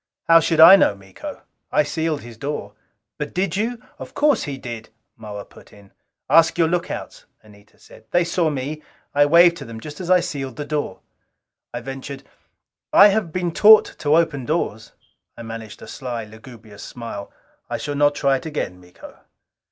"How should I know, Miko? I sealed his door." "But did you?" "Of course he did," Moa put in. "Ask your lookouts," Anita said. "They saw me I waved to them just as I sealed the door." I ventured, "I have been taught to open doors." I managed a sly, lugubrious smile. "I shall not try it again, Miko."